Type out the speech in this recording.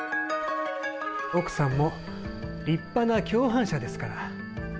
奥さんも立派な共犯者ですから。